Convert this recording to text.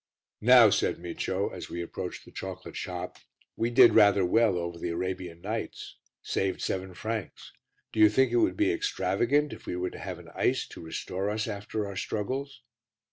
"Now," said Micio as we approached the chocolate shop, "we did rather well over the Arabian Nights saved seven francs do you think it would be extravagant if we were to have an ice to restore us after our struggles?"